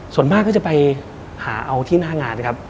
ส่วนมากก็จะไปหาเอาที่หน้างานครับ